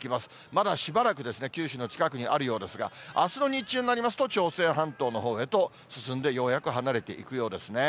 まだしばらく九州の近くにあるようですが、あすの日中になりますと、朝鮮半島のほうへと進んで、ようやく離れていくようですね。